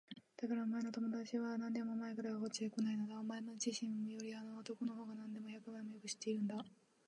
だからお前の友だちは何年も前からこっちへこないのだ。お前自身よりあの男のほうがなんでも百倍もよく知っているんだ。